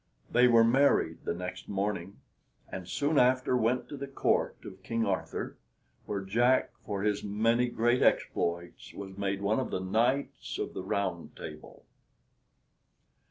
They were married the next morning, and soon after went to the Court of King Arthur, where Jack for his many great exploits, was made one of the Knights of the Round Table.